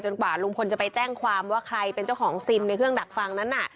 กว่าลุงพลจะไปแจ้งความว่าใครเป็นเจ้าของซิมในเครื่องดักฟังนั้นน่ะ